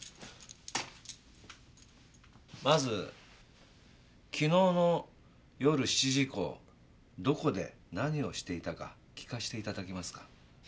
まず昨日の夜７時以降どこで何をしていたか聞かせて頂けますか？